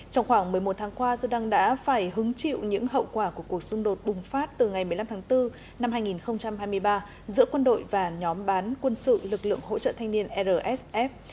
trong khoảng một mươi một tháng qua sudan đã phải hứng chịu những hậu quả của cuộc xung đột bùng phát từ ngày một mươi năm tháng bốn năm hai nghìn hai mươi ba giữa quân đội và nhóm bán quân sự lực lượng hỗ trợ thanh niên rsf